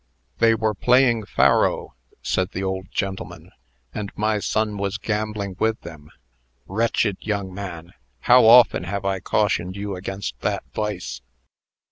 "They were playing faro," said the old gentleman, "and my son was gambling with them. Wretched young man, how often have I cautioned you against that vice!"